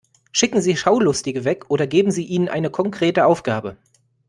Schicken Sie Schaulustige weg oder geben Sie ihnen eine konkrete Aufgabe.